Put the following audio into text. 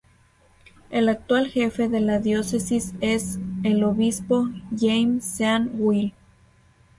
El actual jefe de la Diócesis es el Obispo James Sean Wall.